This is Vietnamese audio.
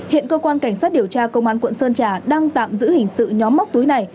hiện cơ quan cảnh sát điều tra công an quận sơn trà đang tạm giữ hình sự nhóm móc túi này